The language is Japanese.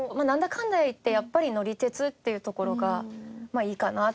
かんだいってやっぱり乗り鉄っていうところがいいかなっていう。